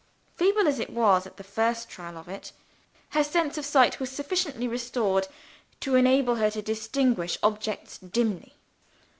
Feeble as it was at the first trial of it, her sense of sight was sufficiently restored to enable her to distinguish objects dimly.